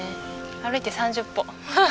歩いて３０歩。